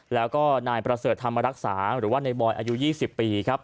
แล้วก็นายประเสริฐธรรมรักษาหรือว่าในบอยอายุ๒๐ปีครับ